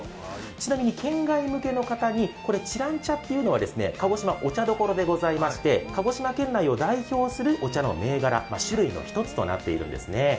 ちなみに県外向けの方に、知覧茶というのは鹿児島、お茶どころでございまして鹿児島県を代表するお茶の銘柄、種類の１つとなっているんですね。